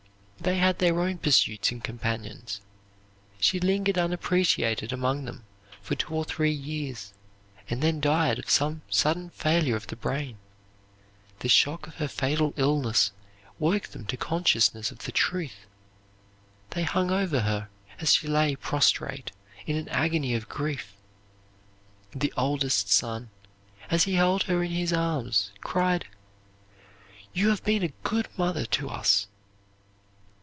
They had their own pursuits and companions. She lingered unappreciated among them for two or three years, and then died, of some sudden failure of the brain. The shock of her fatal illness woke them to consciousness of the truth. They hung over her, as she lay prostrate, in an agony of grief. The oldest son, as he held her in his arms, cried: "You have been a good mother to us!"